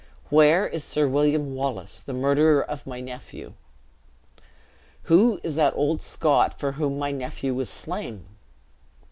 Where is Sir William Wallace, the murderer of my nephew? Who is that old Scot, for whom my nephew was slain?